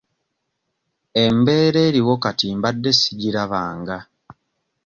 Embeera eriwo kati mbadde sigiraba nga.